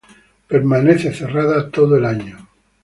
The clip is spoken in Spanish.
Permanece cerrada todo el año.